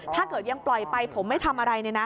ถ้าเกิดยังปล่อยไปผมไม่ทำอะไร